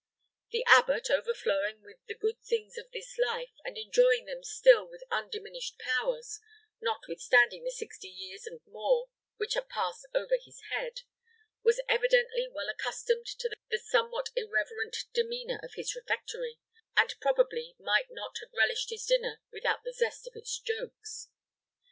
The abbot, overflowing with the good things of this life, and enjoying them still with undiminished powers, notwithstanding the sixty years and more which had passed over his head, was evidently well accustomed to the somewhat irreverent demeanor of his refectory, and probably might not have relished his dinner without the zest of its jokes.